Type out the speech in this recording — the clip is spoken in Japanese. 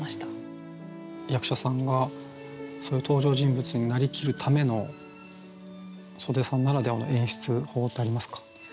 役者さんがそういう登場人物になりきるための岨手さんならではの演出法ってありますか？